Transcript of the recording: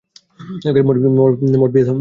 Morpheus, থামো!